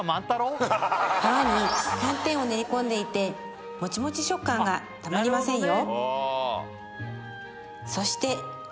皮に寒天を練り込んでいてモチモチ食感がたまりませんよ